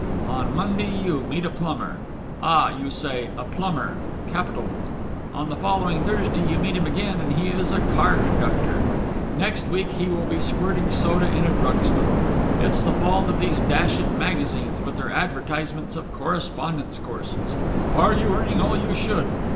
On Monday you meet a plumber. Ah! you say, a plumber! Capital! On the following Thursday you meet him again, and he is a car conductor. Next week he will be squirting soda in a drug store. It's the fault of these dashed magazines, with their advertisements of correspondence courses Are You Earning All You Should?